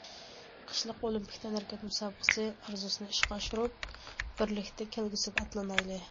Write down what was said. قىشلىق ئولىمپىك تەنھەرىكەت مۇسابىقىسى ئارزۇسىنى ئىشقا ئاشۇرۇپ، بىرلىكتە كەلگۈسىگە ئاتلىنايلى.